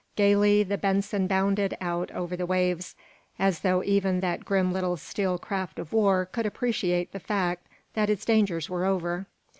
Gayly the "Benson" bounded out over the waves, as though even that grim little steel craft of war could appreciate the fact that its dangers were over.